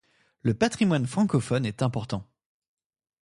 Le patrimoine francophone est important.